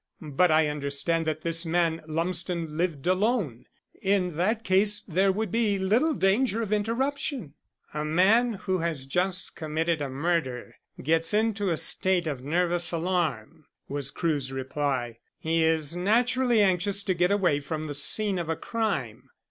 "But I understand that this man Lumsden lived alone. In that case there would be little danger of interruption." "A man who has just committed a murder gets into a state of nervous alarm," was Crewe's reply. "He is naturally anxious to get away from the scene of the crime."